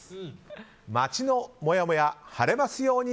街のもやもや晴れますように！